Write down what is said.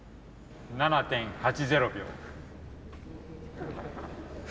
７．８０秒。